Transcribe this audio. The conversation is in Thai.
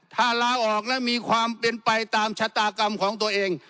ถ้าลาออกแล้วมีความเป็นไปตามชะตากรรมของตัวเอง